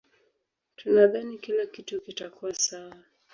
Tunadhani kila kitu kitakuwa sawa.